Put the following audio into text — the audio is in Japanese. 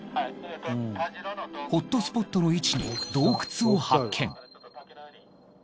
ホットスポットの位置に洞窟を発見。